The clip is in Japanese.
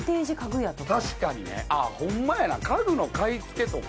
確かにねホンマやな家具の買い付けとか。